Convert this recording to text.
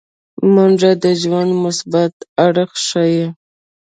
منډه د ژوند مثبت اړخ ښيي